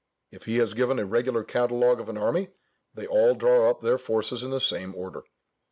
If he has given a regular catalogue of an army, they all draw up their forces in the same order.